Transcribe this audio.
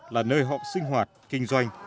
là nơi họ sinh hoạt kinh doanh